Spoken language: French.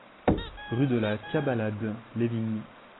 Rue de la Cabalade, Les Vignes